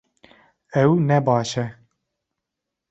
Ew ne baş e